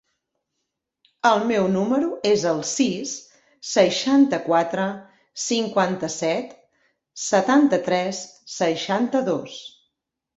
El meu número es el sis, seixanta-quatre, cinquanta-set, setanta-tres, seixanta-dos.